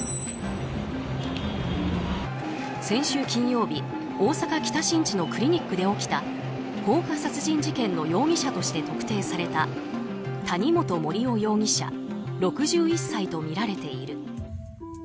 先週金曜日、大阪・北新地のクリニックで起きた放火殺人事件の容疑者として特定された谷本盛雄容疑者６１歳とみられている。